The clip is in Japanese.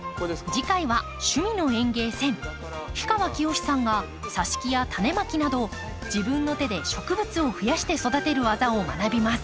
氷川きよしさんが挿し木やタネまきなど自分の手で植物を増やして育てる技を学びます。